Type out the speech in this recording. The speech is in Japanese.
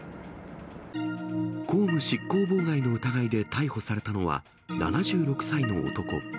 公務執行妨害の疑いで逮捕されたのは、７６歳の男。